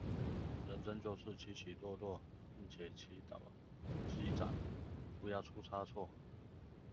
人生就是起起落落，並且祈禱機長不要出差錯